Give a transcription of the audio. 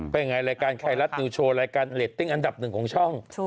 เป็นยังไงรายการไทยรัฐนิวโชว์รายการเรตติ้งอันดับหนึ่งของช่อง